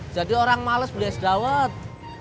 jadi orang males beli es dawet